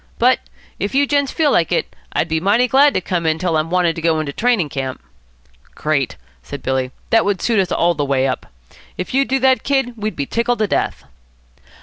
But, if you gents feel like it, I'd be mighty glad to come in till I'm wanted to go into training camp." "Great," said Billy; "that would suit us all the way up. If you'd do that, Kid, we'd be tickled to death."